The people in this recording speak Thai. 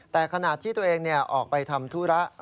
แต่ขณะที่ตัวเองออกไปทำธุระ